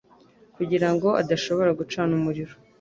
kugirango adashobora gucana umuriro